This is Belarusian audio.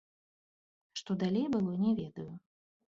Што далей было, не ведаю.